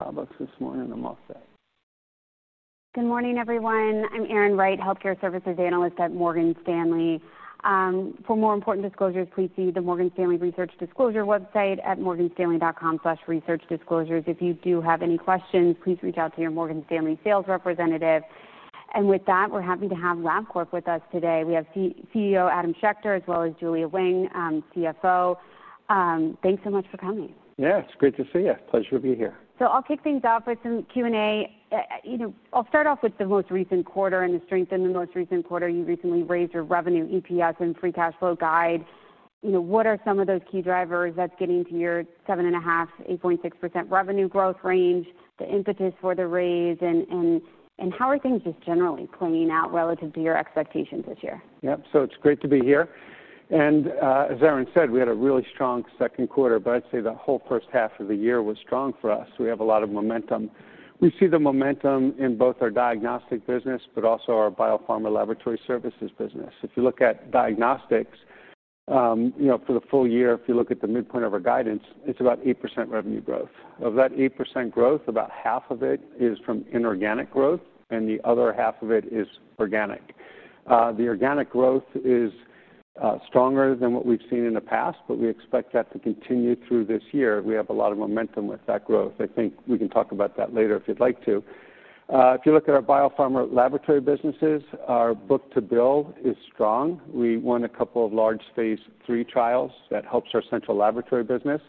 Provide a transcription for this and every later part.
Good morning, everyone. I'm Aaron Wright, Healthcare Services Analyst at Morgan Stanley. For more important disclosures, please see the Morgan Stanley Research Disclosure website at morganstanley.com/researchdisclosures. If you do have any questions, please reach out to your Morgan Stanley sales representative. We're happy to have Labcorp Holdings Inc. with us today. We have CEO Adam H. Schechter, as well as Julia Wang, CFO. Thanks so much for coming. Yeah, it's great to see you. Pleasure to be here. I'll kick things off with some Q&A. I'll start off with the most recent quarter and the strength in the most recent quarter. You recently raised your revenue, EPS, and free cash flow guide. What are some of those key drivers that's getting to your 7.5% to 8.6% revenue growth range, the impetus for the raise, and how are things just generally playing out relative to your expectations this year? Yep. It's great to be here. As Aaron said, we had a really strong second quarter. I'd say the whole first half of the year was strong for us. We have a lot of momentum. We see the momentum in both our diagnostics business and our biopharma laboratory services business. If you look at diagnostics, for the full year, if you look at the midpoint of our guidance, it's about 8% revenue growth. Of that 8% growth, about half of it is from inorganic growth, and the other half of it is organic. The organic growth is stronger than what we've seen in the past, and we expect that to continue through this year. We have a lot of momentum with that growth. I think we can talk about that later if you'd like to. If you look at our biopharma laboratory services business, our book-to-bill is strong. We won a couple of large phase III trials that help our central laboratory business,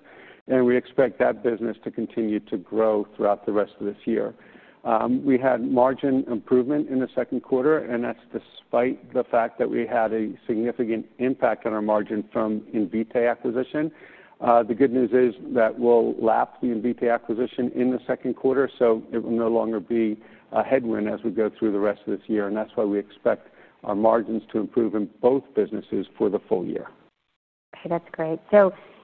and we expect that business to continue to grow throughout the rest of this year. We had margin improvement in the second quarter, despite the fact that we had a significant impact on our margin from the Invitae acquisition. The good news is that we'll lap the Invitae acquisition in the second quarter, so it will no longer be a headwind as we go through the rest of this year. That's why we expect our margins to improve in both businesses for the full year. Okay, that's great.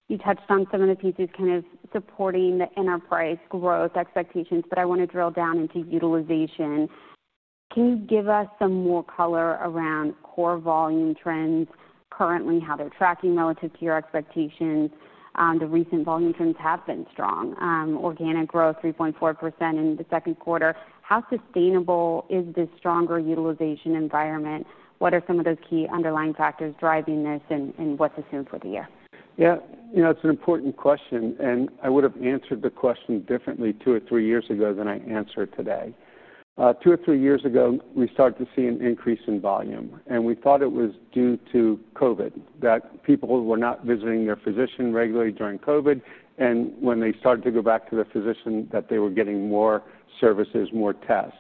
You touched on some of the pieces kind of supporting the enterprise growth expectations, but I want to drill down into utilization. Can you give us some more color around core volume trends currently, how they're tracking relative to your expectations? The recent volume trends have been strong. Organic growth 3.4% in the second quarter. How sustainable is this stronger utilization environment? What are some of those key underlying factors driving this, and what's the soon for the year? Yeah, you know, it's an important question, and I would have answered the question differently two or three years ago than I answer today. Two or three years ago, we started to see an increase in volume, and we thought it was due to COVID, that people were not visiting their physician regularly during COVID, and when they started to go back to the physician, that they were getting more services, more tests.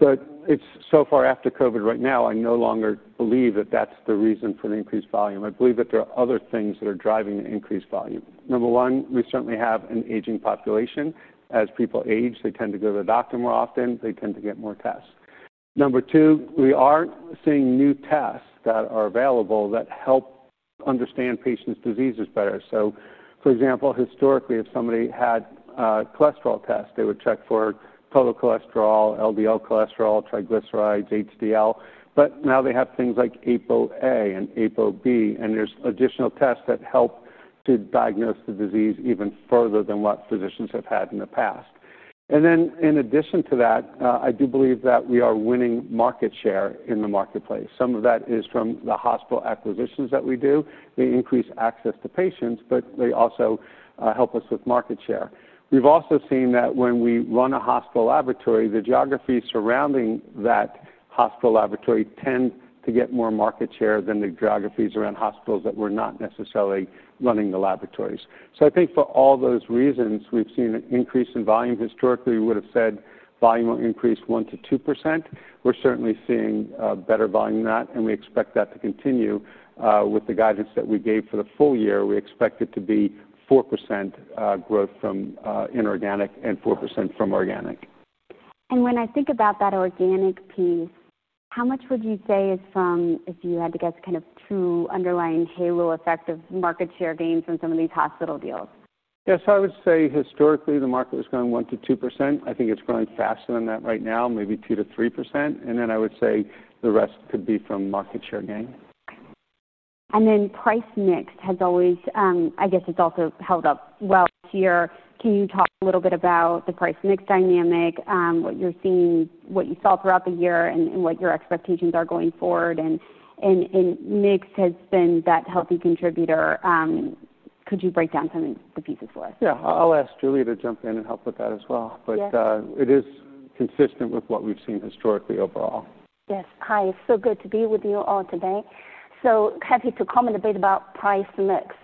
It's so far after COVID right now, I no longer believe that that's the reason for the increased volume. I believe that there are other things that are driving the increased volume. Number one, we certainly have an aging population. As people age, they tend to go to the doctor more often. They tend to get more tests. Number two, we are seeing new tests that are available that help understand patients' diseases better. For example, historically, if somebody had a cholesterol test, they would check for total cholesterol, LDL cholesterol, triglycerides, HDL. Now they have things like Apo A and Apo B, and there's additional tests that help to diagnose the disease even further than what physicians have had in the past. In addition to that, I do believe that we are winning market share in the marketplace. Some of that is from the hospital acquisitions that we do. They increase access to patients, but they also help us with market share. We've also seen that when we run a hospital laboratory, the geographies surrounding that hospital laboratory tend to get more market share than the geographies around hospitals that we're not necessarily running the laboratories. I think for all those reasons, we've seen an increase in volume. Historically, we would have said volume will increase 1% to 2%. We're certainly seeing better volume than that, and we expect that to continue with the guidance that we gave for the full year. We expect it to be 4% growth from inorganic and 4% from organic. When I think about that organic piece, how much would you say is from, if you had to guess, kind of true underlying halo effect of market share gains from some of these hospital deals? I would say historically, the market was growing 1% to 2%. I think it's growing faster than that right now, maybe 2% to 3%. I would say the rest could be from market share gain. Price mix has always, I guess, it's also held up well this year. Can you talk a little bit about the price mix dynamic, what you're seeing, what you saw throughout the year, and what your expectations are going forward? Mix has been that healthy contributor. Could you break down some of the pieces for us? Yeah, I'll ask Julia to jump in and help with that as well. It is consistent with what we've seen historically overall. Yes, hi. It's so good to be with you all today. So happy to comment a bit about price mix.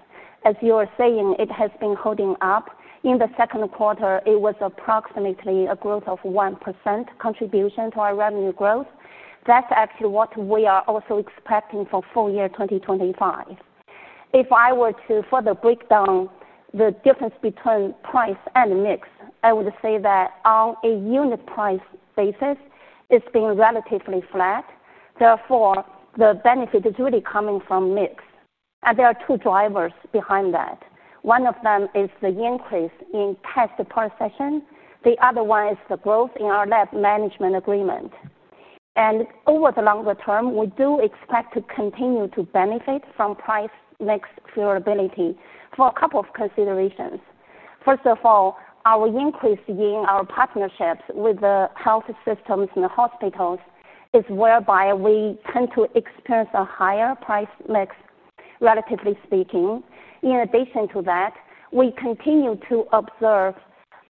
As you are saying, it has been holding up. In the second quarter, it was approximately a growth of 1% contribution to our revenue growth. That's actually what we are also expecting for full year 2025. If I were to further break down the difference between price and mix, I would say that on a unit price basis, it's been relatively flat. Therefore, the benefit is really coming from mix. There are two drivers behind that. One of them is the increase in test per session. The other one is the growth in our lab management agreements. Over the longer term, we do expect to continue to benefit from price mix durability for a couple of considerations. First of all, our increase in our partnerships with the health systems and the hospitals is whereby we tend to experience a higher price mix, relatively speaking. In addition to that, we continue to observe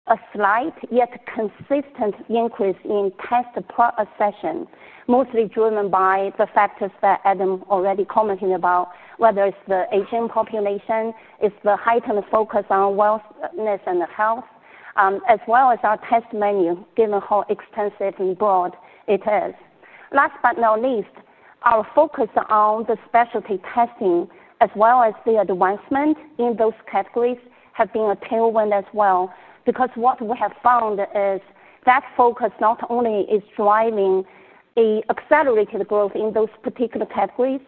a slight yet consistent increase in test per session, mostly driven by the factors that Adam already commented about, whether it's the Asian population, it's the heightened focus on wellness and health, as well as our test menu, given how extensive and broad it is. Last but not least, our focus on the specialty testing, as well as the advancement in those categories, has been a tailwind as well, because what we have found is that focus not only is driving an accelerated growth in those particular categories,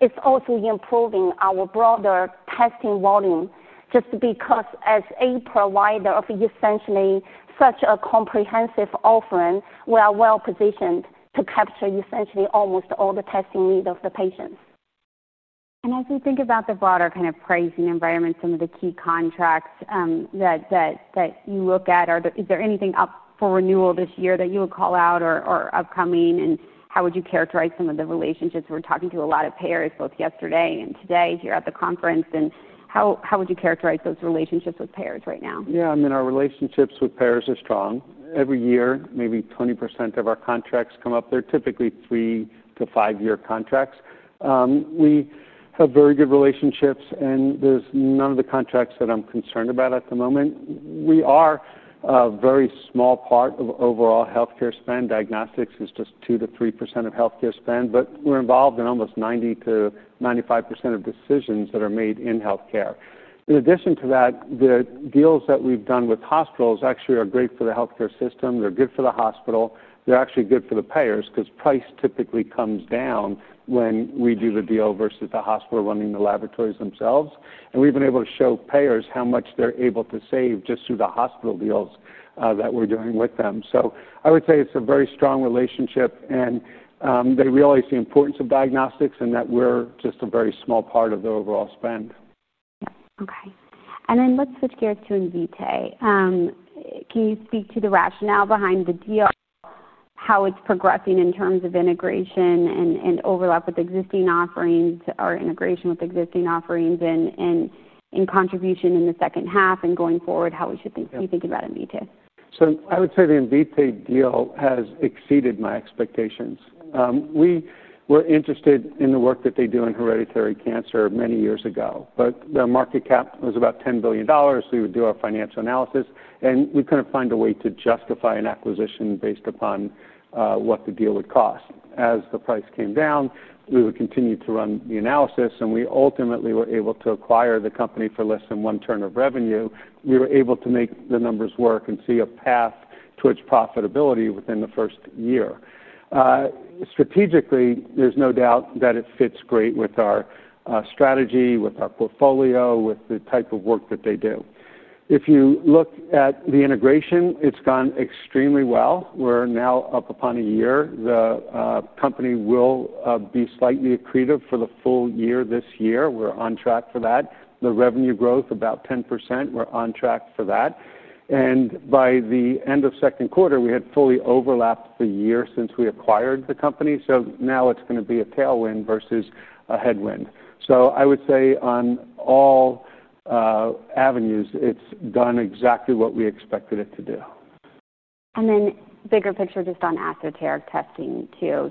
it's also improving our broader testing volume, just because as a provider of essentially such a comprehensive offering, we are well positioned to capture essentially almost all the testing needs of the patients. As we think about the broader kind of pricing environment, some of the key contracts that you look at, is there anything up for renewal this year that you would call out or upcoming? How would you characterize some of the relationships? We're talking to a lot of payers, both yesterday and today here at the conference. How would you characterize those relationships with payers right now? Yeah, I mean, our relationships with payers are strong. Every year, maybe 20% of our contracts come up. They're typically three to five-year contracts. We have very good relationships, and there's none of the contracts that I'm concerned about at the moment. We are a very small part of overall healthcare spend. Diagnostics is just 2% to 3% of healthcare spend, but we're involved in almost 90% to 95% of decisions that are made in healthcare. In addition to that, the deals that we've done with hospitals actually are great for the healthcare system. They're good for the hospital. They're actually good for the payers because price typically comes down when we do the deal versus the hospital running the laboratories themselves. We've been able to show payers how much they're able to save just through the hospital deals that we're doing with them. I would say it's a very strong relationship, and they realize the importance of diagnostics and that we're just a very small part of the overall spend. Okay. Let's switch gears to Invitae. Can you speak to the rationale behind the deal, how it's progressing in terms of integration and overlap with existing offerings, or integration with existing offerings, and contribution in the second half, and going forward, how we should think about Invitae? I would say the Invitae deal has exceeded my expectations. We were interested in the work that they do in hereditary cancer many years ago, but the market cap was about $10 billion. We would do our financial analysis, and we couldn't find a way to justify an acquisition based upon what the deal would cost. As the price came down, we would continue to run the analysis, and we ultimately were able to acquire the company for less than one turn of revenue. We were able to make the numbers work and see a path towards profitability within the first year. Strategically, there's no doubt that it fits great with our strategy, with our portfolio, with the type of work that they do. If you look at the integration, it's gone extremely well. We're now up upon a year. The company will be slightly accretive for the full year this year. We're on track for that. The revenue growth, about 10%, we're on track for that. By the end of second quarter, we had fully overlapped the year since we acquired the company. Now it's going to be a tailwind versus a headwind. I would say on all avenues, it's done exactly what we expected it to do. Bigger picture, just on esoteric testing too.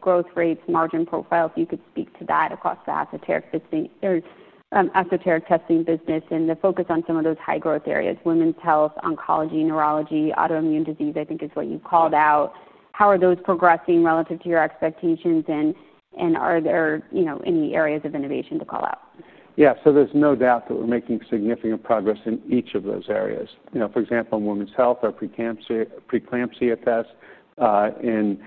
Growth rates, margin profiles, you could speak to that across the esoteric testing business and the focus on some of those high growth areas, women's health, oncology, neurology, autoimmune disease, I think is what you called out. How are those progressing relative to your expectations? Are there any areas of innovation to call out? Yeah, so there's no doubt that we're making significant progress in each of those areas. For example, in women's health, our preeclampsia test, in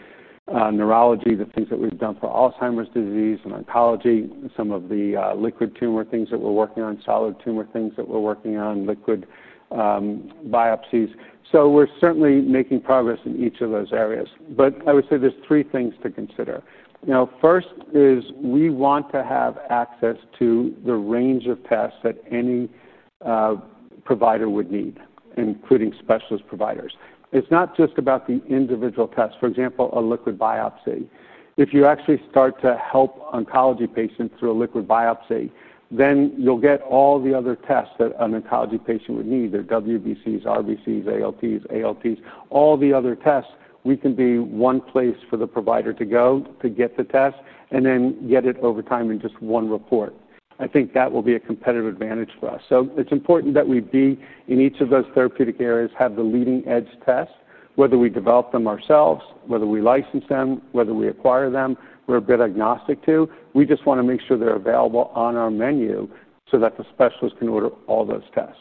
neurology, the things that we've done for Alzheimer's disease, and oncology, some of the liquid tumor things that we're working on, solid tumor things that we're working on, liquid biopsies. We're certainly making progress in each of those areas. I would say there's three things to consider. First is we want to have access to the range of tests that any provider would need, including specialist providers. It's not just about the individual tests. For example, a liquid biopsy. If you actually start to help oncology patients through a liquid biopsy, then you'll get all the other tests that an oncology patient would need, their WBCs, RBCs, ALTs, all the other tests. We can be one place for the provider to go to get the test and then get it over time in just one report. I think that will be a competitive advantage for us. It's important that we be in each of those therapeutic areas, have the leading-edge tests, whether we develop them ourselves, whether we license them, whether we acquire them, we're a bit agnostic to. We just want to make sure they're available on our menu so that the specialists can order all those tests.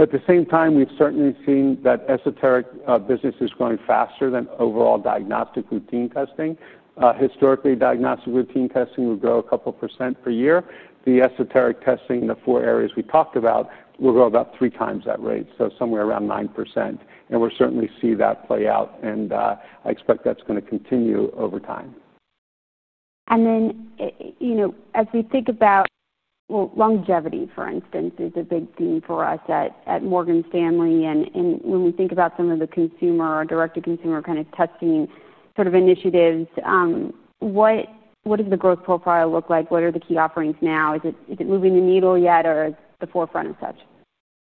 At the same time, we've certainly seen that esoteric business is growing faster than overall diagnostic routine testing. Historically, diagnostic routine testing would grow a couple % per year. The esoteric testing in the four areas we talked about will grow about three times that rate, so somewhere around 9%. We'll certainly see that play out. I expect that's going to continue over time. As we think about longevity, for instance, it is a big theme for us at Morgan Stanley. When we think about some of the consumer or direct-to-consumer kind of testing initiatives, what does the growth profile look like? What are the key offerings now? Is it moving the needle yet, or is it the forefront of such?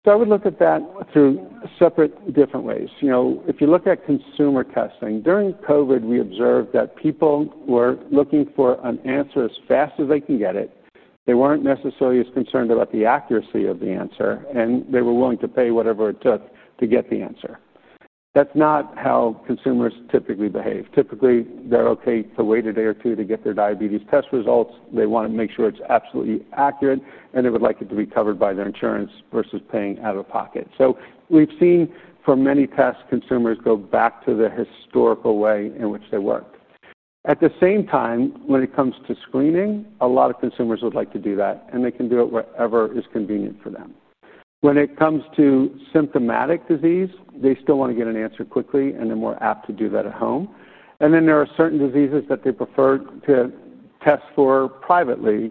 I would look at that through separate different ways. If you look at consumer testing, during COVID, we observed that people were looking for an answer as fast as they can get it. They weren't necessarily as concerned about the accuracy of the answer, and they were willing to pay whatever it took to get the answer. That's not how consumers typically behave. Typically, they're okay to wait a day or two to get their diabetes test results. They want to make sure it's absolutely accurate, and they would like it to be covered by their insurance versus paying out of pocket. We've seen for many tests, consumers go back to the historical way in which they worked. At the same time, when it comes to screening, a lot of consumers would like to do that, and they can do it wherever is convenient for them. When it comes to symptomatic disease, they still want to get an answer quickly, and they're more apt to do that at home. There are certain diseases that they prefer to test for privately,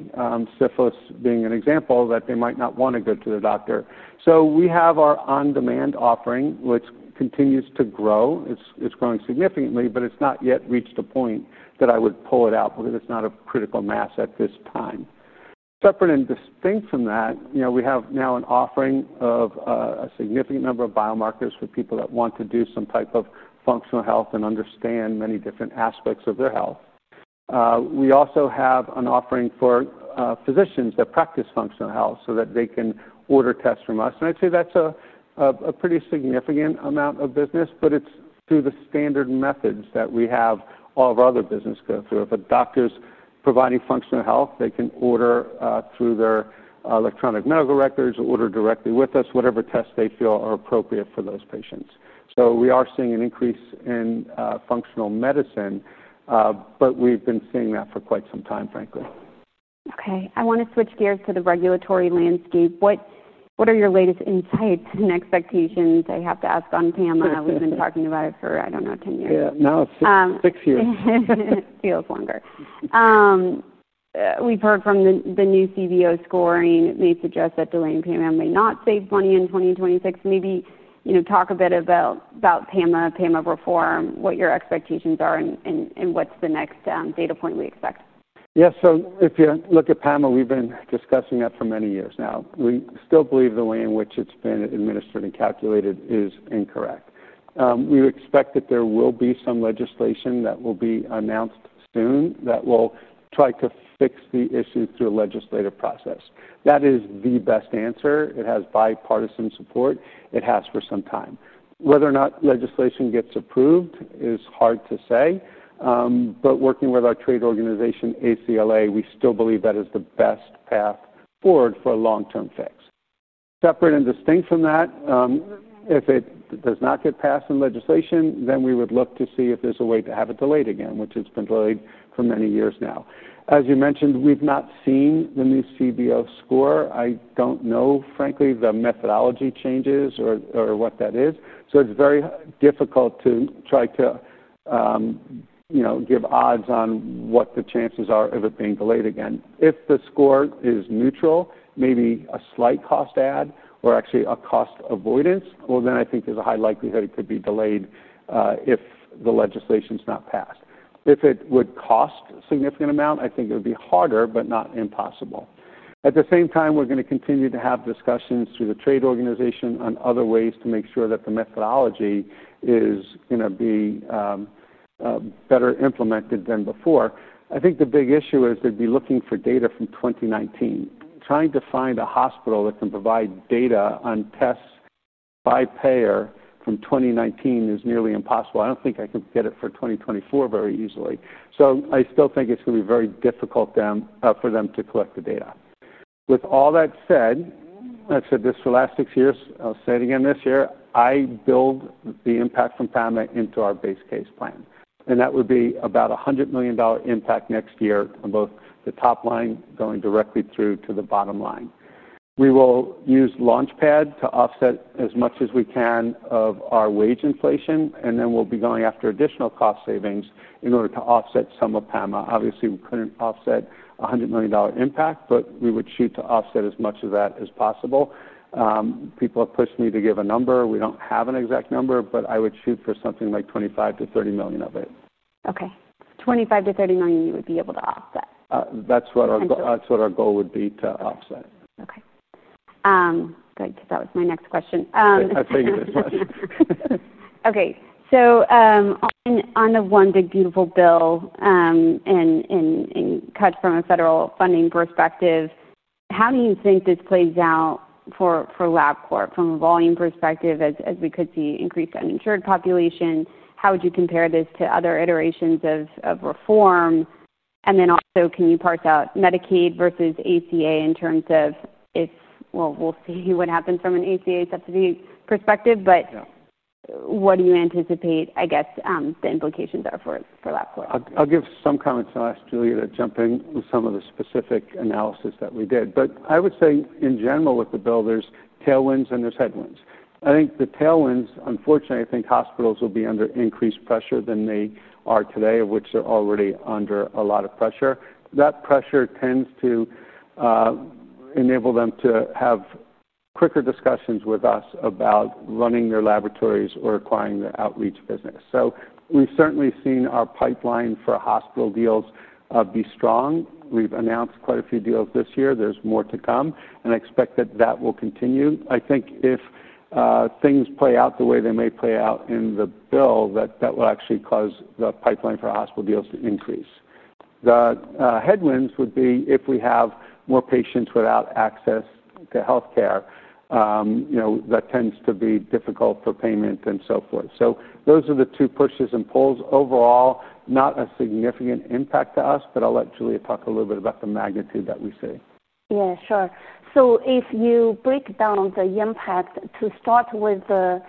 syphilis being an example, that they might not want to go to the doctor. We have our on-demand offering, which continues to grow. It's growing significantly, but it's not yet reached a point that I would pull it out because it's not a critical mass at this time. Separate and distinct from that, we have now an offering of a significant number of biomarkers for people that want to do some type of functional health and understand many different aspects of their health. We also have an offering for physicians that practice functional health so that they can order tests from us. I'd say that's a pretty significant amount of business, but it's through the standard methods that we have all of our other business go through. If a doctor's providing functional health, they can order through their electronic medical records or order directly with us whatever tests they feel are appropriate for those patients. We are seeing an increase in functional medicine, but we've been seeing that for quite some time, frankly. Okay. I want to switch gears to the regulatory landscape. What are your latest insights? Next, vaccination, I have to ask on PMM. We've been talking about it for, I don't know, 10 years. Yeah, now it's six years. It feels longer. We've heard from the new CBO scoring. It may suggest that delaying PMM may not save money in 2026. Maybe, you know, talk a bit about PMM, PMM reform, what your expectations are, and what's the next data point we expect? Yeah, so if you look at PMM, we've been discussing that for many years now. We still believe the way in which it's been administered and calculated is incorrect. We would expect that there will be some legislation that will be announced soon that will try to fix the issue through a legislative process. That is the best answer. It has bipartisan support. It has for some time. Whether or not legislation gets approved is hard to say. Working with our trade organization, ACLA, we still believe that is the best path forward for a long-term fix. Separate and distinct from that, if it does not get passed in legislation, we would look to see if there's a way to have it delayed again, which has been delayed for many years now. As you mentioned, we've not seen the new CBO score. I don't know, frankly, the methodology changes or what that is. It's very difficult to try to give odds on what the chances are of it being delayed again. If the score is neutral, maybe a slight cost add or actually a cost avoidance, I think there's a high likelihood it could be delayed if the legislation's not passed. If it would cost a significant amount, I think it would be harder, but not impossible. At the same time, we're going to continue to have discussions through the trade organization on other ways to make sure that the methodology is going to be better implemented than before. I think the big issue is they'd be looking for data from 2019. Trying to find a hospital that can provide data on tests by payer from 2019 is nearly impossible. I don't think I can get it for 2024 very easily. I still think it's going to be very difficult for them to collect the data. With all that said, I've said this for the last six years. I'll say it again this year. I build the impact from PMM into our base case plan. That would be about a $100 million impact next year on both the top line going directly through to the bottom line. We will use Launchpad to offset as much as we can of our wage inflation, and we'll be going after additional cost savings in order to offset some of PMM. Obviously, we couldn't offset a $100 million impact, but we would shoot to offset as much of that as possible. People have pushed me to give a number. We don't have an exact number, but I would shoot for something like $25 to $30 million of it. Okay. $25 million to $30 million you would be able to offset? That's what our goal would be to offset. Okay, good. That was my next question. I'll take it this way. Okay. On the one big beautiful bill and cuts from a federal funding perspective, how do you think this plays out for Labcorp Holdings Inc. from a volume perspective as we could see increased uninsured population? How would you compare this to other iterations of reform? Also, can you parse out Medicaid versus ACA in terms of if, we'll see what happens from an ACA subsidy perspective, but what do you anticipate, I guess, the implications are for Labcorp Holdings Inc.? I'll give some comments. I'll ask Julia to jump in with some of the specific analysis that we did. I would say in general, with the bill, there's tailwinds and there's headwinds. I think the tailwinds, unfortunately, I think hospitals will be under increased pressure than they are today, which they're already under a lot of pressure. That pressure tends to enable them to have quicker discussions with us about running their laboratories or acquiring their outreach business. We've certainly seen our pipeline for hospital deals be strong. We've announced quite a few deals this year. There's more to come, and I expect that that will continue. I think if things play out the way they may play out in the bill, that will actually cause the pipeline for hospital deals to increase. The headwinds would be if we have more patients without access to healthcare. That tends to be difficult for payment and so forth. Those are the two pushes and pulls. Overall, not a significant impact to us, but I'll let Julia talk a little bit about the magnitude that we see. Yeah, sure. If you break down on the impact, to start with the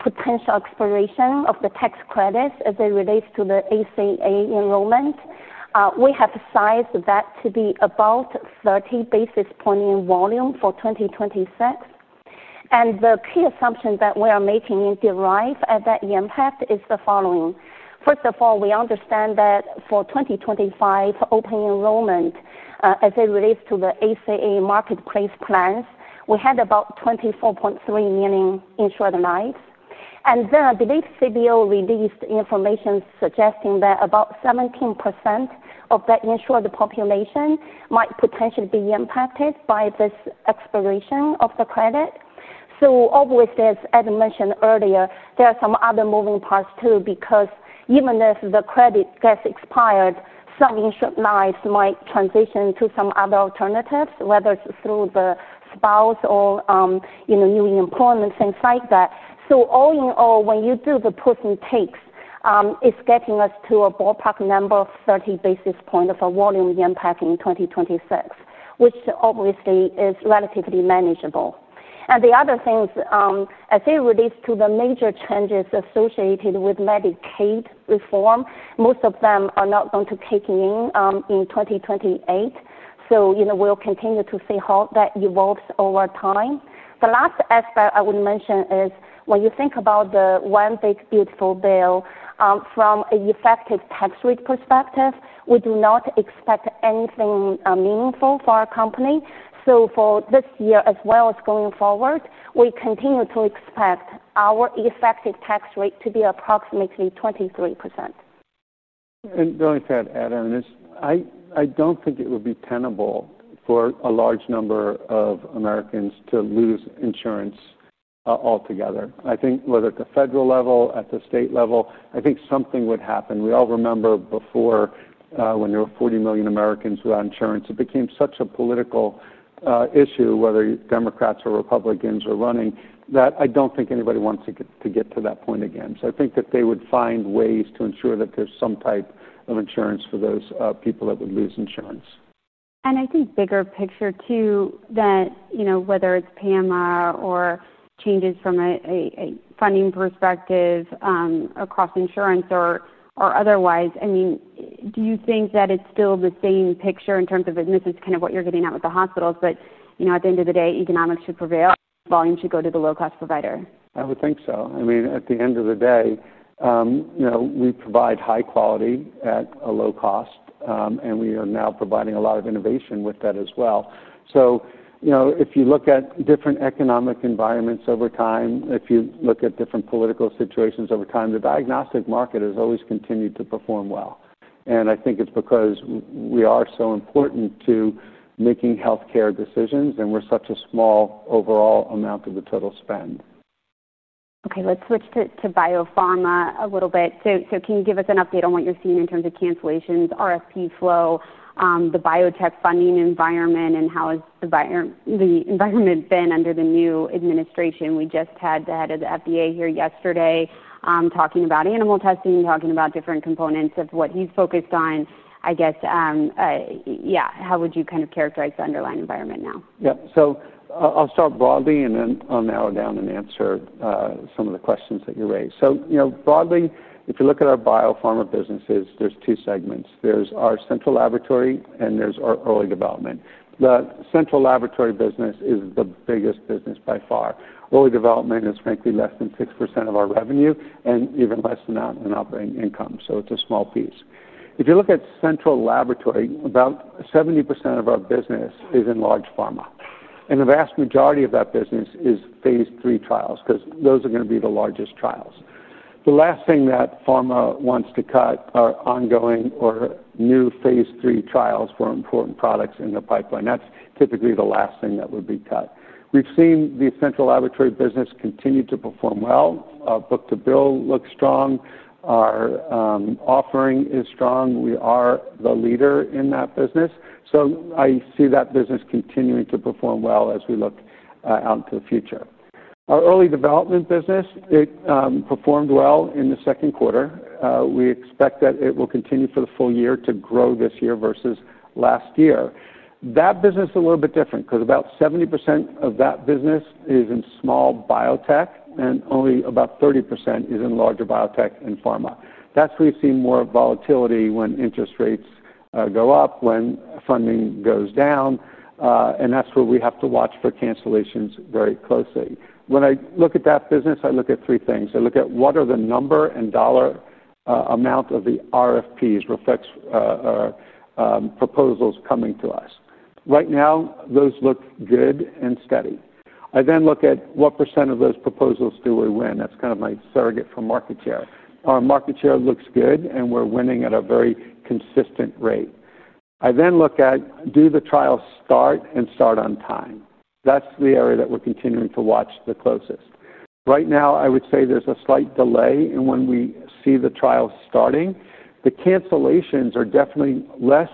potential expiration of the tax credits as it relates to the ACA enrollment, we have sized that to be about 30 basis points in volume for 2026. The key assumption that we are making in deriving at that impact is the following. First of all, we understand that for 2025 open enrollment, as it relates to the ACA marketplace plans, we had about 24.3 million insured lives. I believe CBO released information suggesting that about 17% of that insured population might potentially be impacted by this expiration of the credit. As I mentioned earlier, there are some other moving parts too, because even if the credit gets expired, some insured lives might transition to some other alternatives, whether it's through the spouse or new employment, things like that. All in all, when you do the put and take, it's getting us to a ballpark number of 30 basis points of a volume impact in 2026, which obviously is relatively manageable. The other things, as it relates to the major changes associated with Medicaid reform, most of them are not going to kick in in 2028. We will continue to see how that evolves over time. The last aspect I would mention is when you think about the one big beautiful bill, from an effective tax rate perspective, we do not expect anything meaningful for our company. For this year, as well as going forward, we continue to expect our effective tax rate to be approximately 23%. I don't think it would be tenable for a large number of Americans to lose insurance altogether. I think whether at the federal level or at the state level, I think something would happen. We all remember before, when there were 40 million Americans without insurance, it became such a political issue, whether Democrats or Republicans were running, that I don't think anybody wants to get to that point again. I think that they would find ways to ensure that there's some type of insurance for those people that would lose insurance. I think bigger picture too, whether it's PMM or changes from a funding perspective across insurance or otherwise, do you think that it's still the same picture in terms of, and this is kind of what you're getting at with the hospitals, but at the end of the day, economics should prevail, volume should go to the low-cost provider? I would think so. At the end of the day, we provide high quality at a low cost, and we are now providing a lot of innovation with that as well. If you look at different economic environments over time, if you look at different political situations over time, the diagnostic market has always continued to perform well. I think it's because we are so important to making healthcare decisions, and we're such a small overall amount of the total spend. Okay, let's switch to biopharma a little bit. Can you give us an update on what you're seeing in terms of cancellations, RFP flow, the biotech funding environment, and how has the environment been under the new administration? We just had the head of the FDA here yesterday talking about animal testing, talking about different components of what he's focused on. I guess, how would you kind of characterize the underlying environment now? Yeah, I'll start broadly, and then I'll narrow down and answer some of the questions that you raised. Broadly, if you look at our biopharma businesses, there are two segments. There's our central laboratory, and there's our early development. The central laboratory business is the biggest business by far. Early development is frankly less than 6% of our revenue and even less than that in operating income. It's a small piece. If you look at central laboratory, about 70% of our business is in large pharma, and the vast majority of that business is phase III trials because those are going to be the largest trials. The last thing that pharma wants to cut are ongoing or new phase III trials for important products in the pipeline. That's typically the last thing that would be cut. We've seen the central laboratory business continue to perform well. Our book-to-bill looks strong. Our offering is strong. We are the leader in that business. I see that business continuing to perform well as we look out into the future. Our early development business performed well in the second quarter. We expect that it will continue for the full year to grow this year versus last year. That business is a little bit different because about 70% of that business is in small biotech, and only about 30% is in larger biotech and pharma. That's where we've seen more volatility when interest rates go up, when funding goes down, and that's where we have to watch for cancellations very closely. When I look at that business, I look at three things. I look at what are the number and dollar amount of the RFPs, requests, or proposals coming to us. Right now, those look good and steady. I then look at what percent of those proposals we win. That's kind of my surrogate for market share. Our market share looks good, and we're winning at a very consistent rate. I then look at, do the trials start and start on time? That's the area that we're continuing to watch the closest. Right now, I would say there's a slight delay in when we see the trials starting. The cancellations are definitely less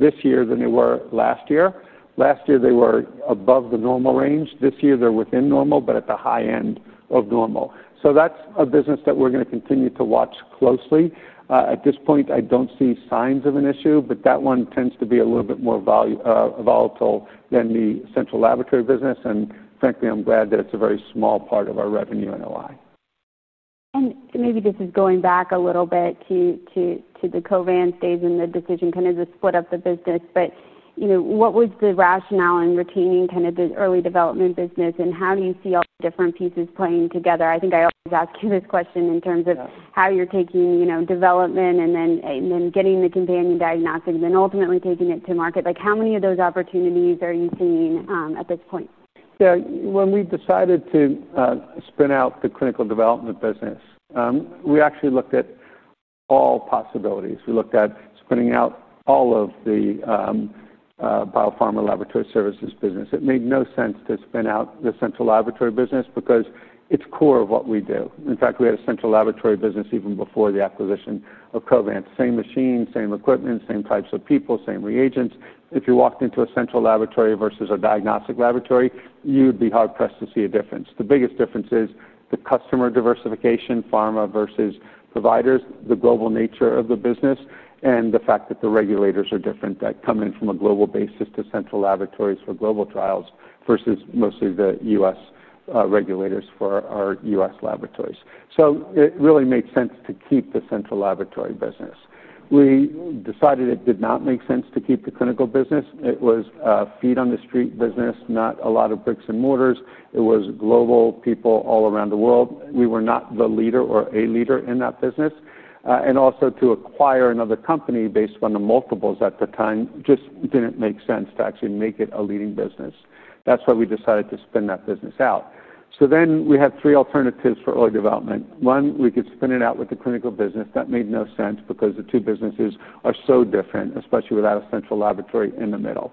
this year than they were last year. Last year, they were above the normal range. This year, they're within normal, but at the high end of normal. That's a business that we're going to continue to watch closely. At this point, I don't see signs of an issue, but that one tends to be a little bit more volatile than the central laboratory business. Frankly, I'm glad that it's a very small part of our revenue and OI. Maybe this is going back a little bit to the Covance phase and the decision to split up the business. What was the rationale in retaining the early development business, and how do you see all the different pieces playing together? I think I always ask you this question in terms of how you're taking development and then getting the companion diagnostics and then ultimately taking it to market. How many of those opportunities are you seeing at this point? When we decided to spin out the clinical development business, we actually looked at all possibilities. We looked at spinning out all of the biopharma laboratory services business. It made no sense to spin out the central laboratory business because it's core of what we do. In fact, we had a central laboratory business even before the acquisition of Covance. Same machine, same equipment, same types of people, same reagents. If you walked into a central laboratory versus a diagnostic laboratory, you'd be hard-pressed to see a difference. The biggest difference is the customer diversification, pharma versus providers, the global nature of the business, and the fact that the regulators are different that come in from a global basis to central laboratories for global trials versus mostly the U.S. regulators for our U.S. laboratories. It really made sense to keep the central laboratory business. We decided it did not make sense to keep the clinical business. It was a feet on the street business, not a lot of bricks and mortar. It was global people all around the world. We were not the leader or a leader in that business. Also, to acquire another company based on the multiples at the time just didn't make sense to actually make it a leading business. That's why we decided to spin that business out. We had three alternatives for early development. One, we could spin it out with the clinical business. That made no sense because the two businesses are so different, especially without a central laboratory in the middle.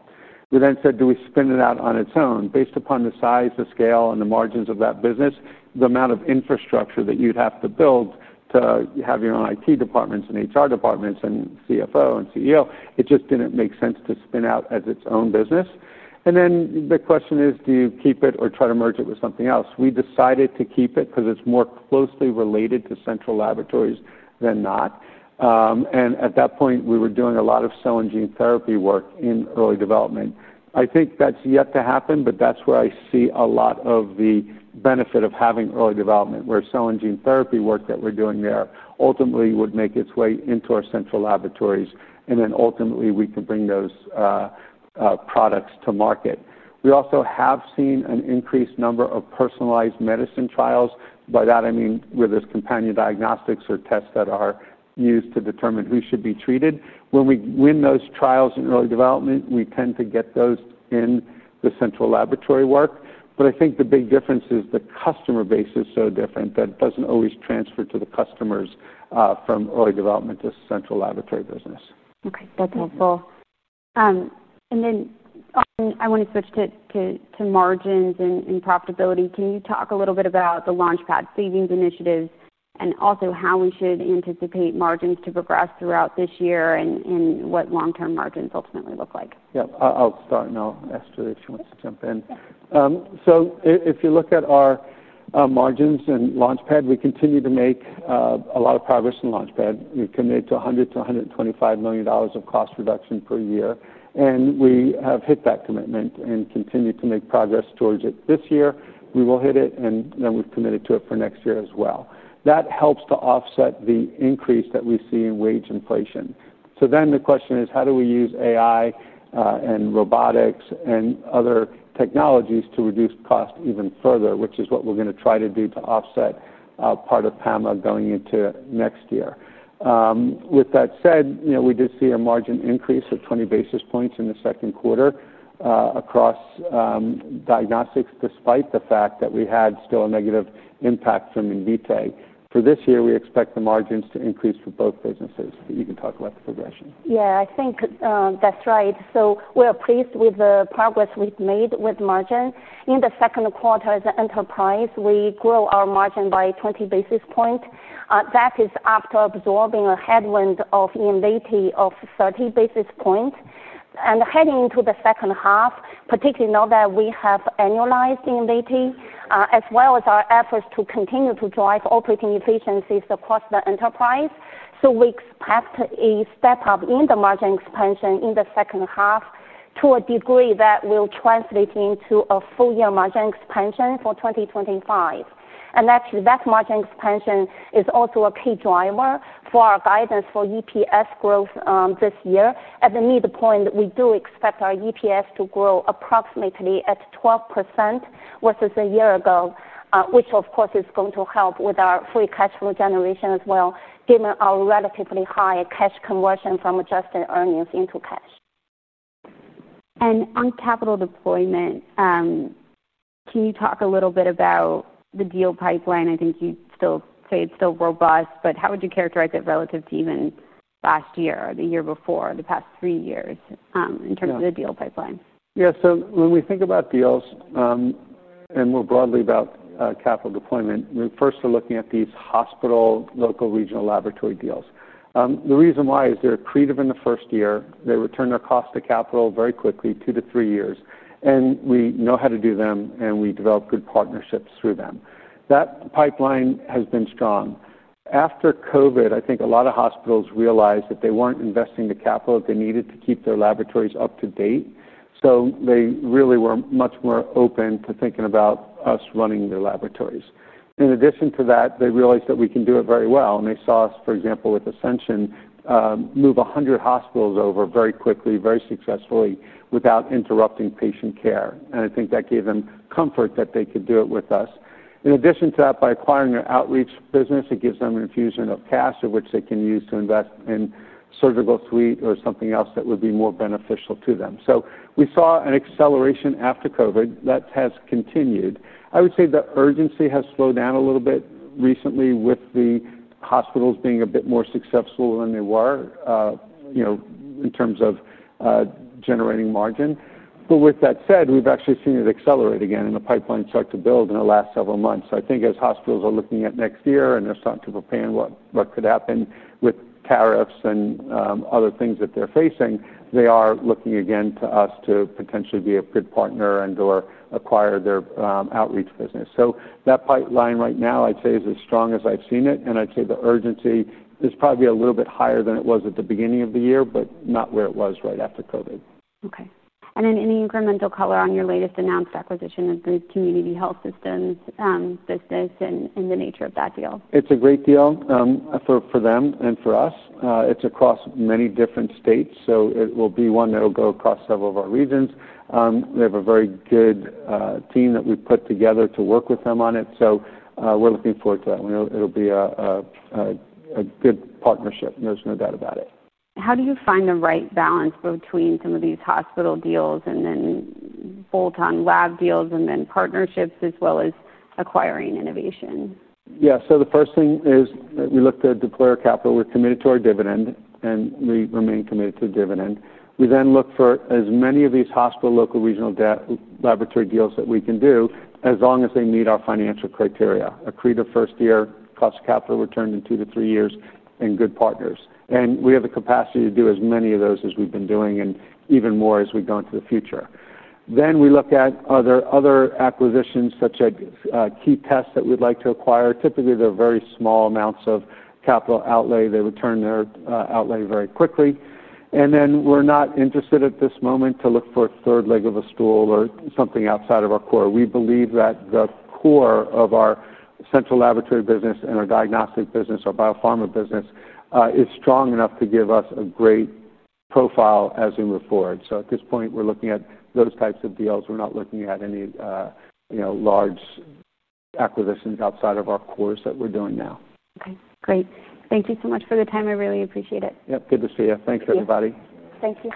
We then said, do we spin it out on its own? Based upon the size, the scale, and the margins of that business, the amount of infrastructure that you'd have to build to have your own IT departments and HR departments and CFO and CEO, it just didn't make sense to spin out as its own business. The question is, do you keep it or try to merge it with something else? We decided to keep it because it's more closely related to central laboratories than not. At that point, we were doing a lot of cell and gene therapy work in early development. I think that's yet to happen, but that's where I see a lot of the benefit of having early development, where cell and gene therapy work that we're doing there ultimately would make its way into our central laboratories, and then ultimately we could bring those products to market. We also have seen an increased number of personalized medicine trials. By that, I mean where there's companion diagnostics or tests that are used to determine who should be treated. When we win those trials in early development, we tend to get those in the central laboratory work. I think the big difference is the customer base is so different that it doesn't always transfer to the customers from early development to central laboratory business. Okay, that's helpful. I want to switch to margins and profitability. Can you talk a little bit about the Launchpad savings initiatives and also how we should anticipate margins to progress throughout this year and what long-term margins ultimately look like? I'll start now. Esther, if she wants to jump in. If you look at our margins and Launchpad, we continue to make a lot of progress in Launchpad. We've committed to $100 to $125 million of cost reduction per year, and we have hit that commitment and continue to make progress towards it this year. We will hit it, and we've committed to it for next year as well. That helps to offset the increase that we see in wage inflation. The question is, how do we use AI and robotics and other technologies to reduce costs even further, which is what we're going to try to do to offset part of PMM going into next year? With that said, we did see a margin increase of 20 basis points in the second quarter across diagnostics, despite the fact that we had still a negative impact from Invitae. For this year, we expect the margins to increase for both businesses. You can talk about the progression. Yeah, I think that's right. We are pleased with the progress we've made with margin. In the second quarter as an enterprise, we grew our margin by 20 basis points. That is after absorbing a headwind of Invitae of 30 basis points. Heading into the second half, particularly now that we have annualized Invitae, as well as our efforts to continue to drive operating efficiencies across the enterprise, we expect a step up in the margin expansion in the second half to a degree that will translate into a full-year margin expansion for 2025. Actually, that margin expansion is also a key driver for our guidance for EPS growth this year. At the midpoint, we do expect our EPS to grow approximately at 12% versus a year ago, which of course is going to help with our free cash flow generation as well, given our relatively high cash conversion from adjusted earnings into cash. On capital deployment, can you talk a little bit about the deal pipeline? I think you still say it's still robust, but how would you characterize it relative to even last year or the year before, the past three years in terms of the deal pipeline? Yeah, so when we think about deals and more broadly about capital deployment, we first are looking at these hospital, local, regional laboratory deals. The reason why is they're accretive in the first year. They return their cost to capital very quickly, two to three years. We know how to do them, and we develop good partnerships through them. That pipeline has been strong. After COVID, I think a lot of hospitals realized that they weren't investing the capital that they needed to keep their laboratories up to date. They really were much more open to thinking about us running their laboratories. In addition to that, they realized that we can do it very well. They saw us, for example, with Ascension, move 100 hospitals over very quickly, very successfully, without interrupting patient care. I think that gave them comfort that they could do it with us. In addition to that, by acquiring their outreach business, it gives them an infusion of cash, which they can use to invest in surgical suite or something else that would be more beneficial to them. We saw an acceleration after COVID that has continued. I would say the urgency has slowed down a little bit recently with the hospitals being a bit more successful than they were, you know, in terms of generating margin. With that said, we've actually seen it accelerate again, and the pipeline start to build in the last several months. I think as hospitals are looking at next year and they're starting to prepare what could happen with tariffs and other things that they're facing, they are looking again to us to potentially be a good partner and/or acquire their outreach business. That pipeline right now, I'd say, is as strong as I've seen it. I'd say the urgency is probably a little bit higher than it was at the beginning of the year, but not where it was right after COVID. Okay. Any incremental color on your latest announced acquisition of Community Health Systems and the nature of that deal? It's a great deal for them and for us. It's across many different states, so it will be one that will go across several of our regions. We have a very good team that we've put together to work with them on it, so we're looking forward to that. It will be a good partnership. There's no doubt about it. How do you find the right balance between some of these hospital deals, then bolt-on lab deals, partnerships, as well as acquiring innovation? Yeah, so the first thing is we look to deploy our capital. We're committed to our dividend, and we remain committed to the dividend. We then look for as many of these hospital, local, regional laboratory deals that we can do as long as they meet our financial criteria, accretive first year, cost of capital return in two to three years, and good partners. We have the capacity to do as many of those as we've been doing and even more as we go into the future. We look at other acquisitions such as key tests that we'd like to acquire. Typically, they're very small amounts of capital outlay. They return their outlay very quickly. We're not interested at this moment to look for a third leg of a stool or something outside of our core. We believe that the core of our central laboratory business and our diagnostics business, our biopharma business, is strong enough to give us a great profile as we move forward. At this point, we're looking at those types of deals. We're not looking at any, you know, large acquisitions outside of our cores that we're doing now. Okay, great. Thank you so much for the time. I really appreciate it. Yep, good to see you. Thanks, everybody. Thank you.